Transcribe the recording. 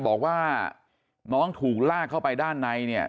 บอกว่าน้องถูกลากเข้าไปด้านในเนี่ย